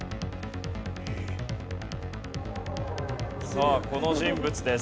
さあこの人物です。